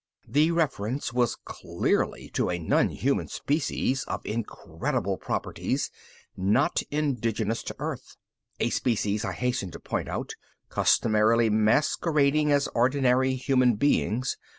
The reference was clearly to a nonhuman species of incredible properties, not indigenous to Earth. A species, I hasten to point out, customarily masquerading as ordinary human beings.